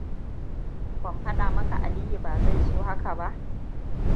Ban fada maka Aliyu ba zai so haka ba?